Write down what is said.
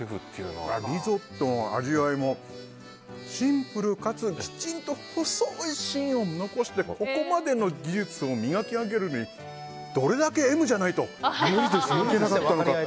リゾットの味わいもシンプルかつきちんと細い芯を残してここまでの技術を磨き上げるのにどれだけＭじゃないといけなかったのかって。